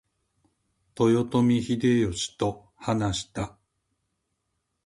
豊臣秀吉と話した。